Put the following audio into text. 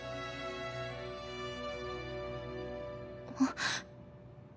あっ。